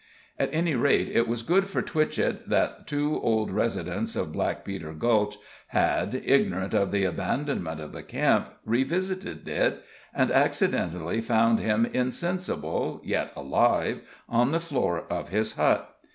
At any rate it was good for Twitchett that two old residents of Black Peter Gulch had, ignorant of the abandonment of the camp, revisited it, and accidentally found him insensible, yet alive, on the floor of his hut.